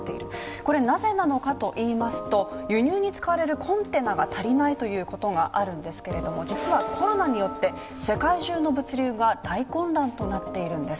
これはなぜなのかといいますと、輸入に使われるコンテナが足りないということがあるんですけれども、実はコロナによって世界中の物流が大混乱となっているんです。